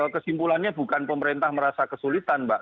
kesimpulannya bukan pemerintah merasa kesulitan mbak